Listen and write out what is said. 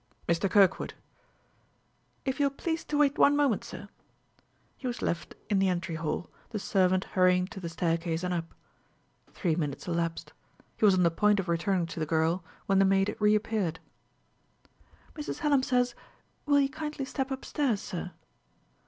"Mr. Kirkwood." "If you will please to wait one moment, sir " He was left in the entry hall, the servant hurrying to the staircase and up. Three minutes elapsed; he was on the point of returning to the girl, when the maid reappeared. "Mrs. Hallam says, will you kindly step up stairs, sir."